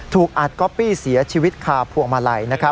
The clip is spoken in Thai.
ถูกอัดก็ปี้เสียชีวิตคาพวงมาไหล่